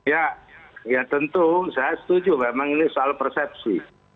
ya ya tentu saya setuju memang ini soal persepsi